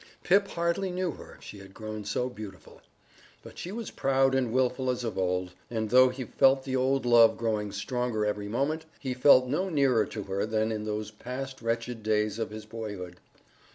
Pip hardly knew her, she had grown so beautiful. But she was proud and wilful as of old, and though he felt the old love growing stronger every moment, he felt no nearer to her than in those past wretched days of his boyhood.